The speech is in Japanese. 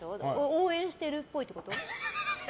応援してるっぽいってこと？